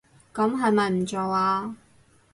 噉係咪唔做吖